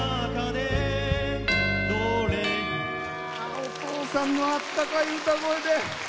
お父さんのあったかい歌声で。